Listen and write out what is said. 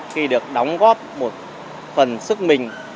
khi được đóng góp một phần sức mình